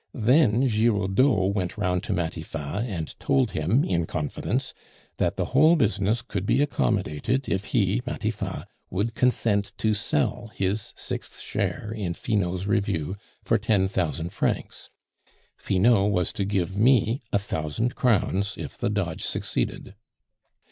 Then Giroudeau went round to Matifat and told him (in confidence) that the whole business could be accommodated if he (Matifat) would consent to sell his sixth share in Finot's review for ten thousand francs. Finot was to give me a thousand crowns if the dodge succeeded.